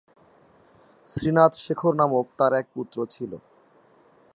শ্রীনাথ শেখর নামক তাঁর এক পুত্র ছিল।